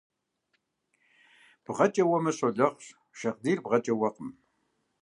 БгъэкӀэ уэмэ, щолэхъущ, шагъдийр бгъэкӀэ уэкъым.